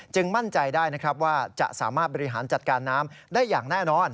มั่นใจได้นะครับว่าจะสามารถบริหารจัดการน้ำได้อย่างแน่นอน